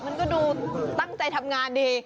มันก็ดูตั้งใจทำงานดี